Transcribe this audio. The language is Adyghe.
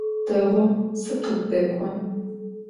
Değu, sıkhıbdek'on.